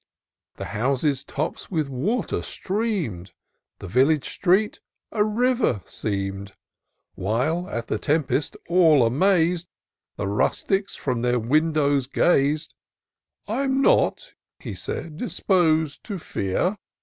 The houses' tops with water streamed. The village street a river seem'd ; While, at the tempest, all amaz'd, The rustics from their windows gaz'd, I'm not," he said, " disposed to fear.